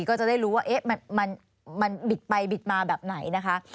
ก็จะได้รู้ว่ามันบิดไปบิดมาแบบไหนนะคะ